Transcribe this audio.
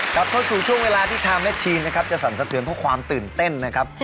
กลับเข้าสู่ช่วงเวลาที่ทางแม่ชีนะครับจะสั่นสะเทือนเพราะความตื่นเต้นนะครับ